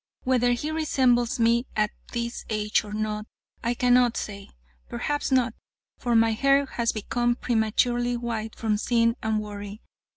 Whether he resembles me at this age or not, I cannot say. Perhaps not, for my hair has become prematurely white from sin and worry.